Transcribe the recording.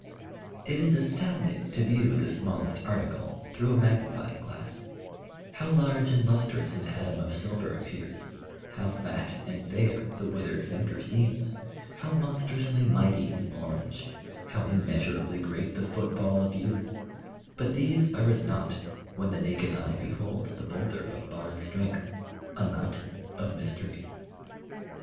It is astounding to view the smallest article through a magnifying glass; how large and lustrous an atom of silver appears; how fat and fair the withered finger seems; how monstrously mighty an orange; how immeasurably great the football of youth; but these are as nought when the naked eye beholds the boulder of barred strength a mountain of mystery.